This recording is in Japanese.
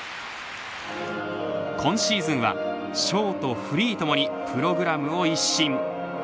今シーズンはショート、フリーともにプログラムを一新